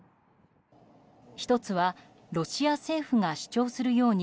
１つはロシア政府が主張するように